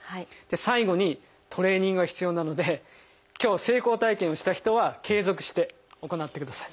最後にトレーニングは必要なので今日成功体験をした人は継続して行ってください。